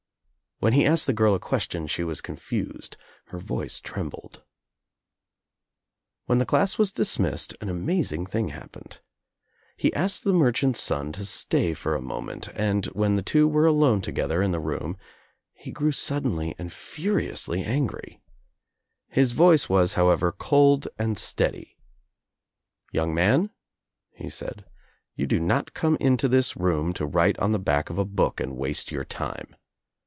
When he asked the girl a question she was confused. Her voice trembled. When the class was dismissed an amazing thing happened. He asked the merchant's son to stay for 124 THE TRIUMPH OF THE EGG a moment and, when the two were ^^lofle tpgether in the room, he grew suddenly and furiously angry. His voice was, however, cold and steady. "Young man," he said, " you do not come into this room to write on the back of a book and waste your time.